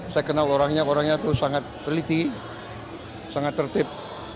saya kenal orangnya orangnya itu sangat teliti sangat tertib